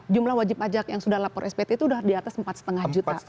jumlah wajib pajak yang sudah lapor spt itu sudah di atas empat lima juta